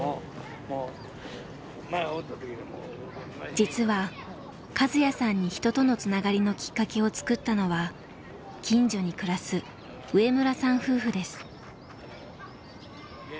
実はカズヤさんに人とのつながりのきっかけを作ったのは近所に暮らす上村さん夫婦です。